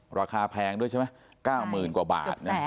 ราคาแพงด้วยใช่มั้ย๙หมื่นบาท